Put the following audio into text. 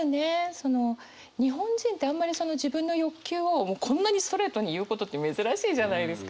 その日本人ってあんまり自分の欲求をこんなにストレートに言うことって珍しいじゃないですか。